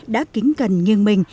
đã kính cần nghiêng mình